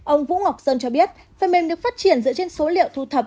ông vũ ngọc sơn cho biết phân mêm được phát triển dựa trên số liệu thu thập